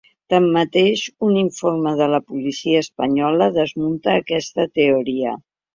Tanmateix, un informe de la policia espanyola desmunta aquesta teoria.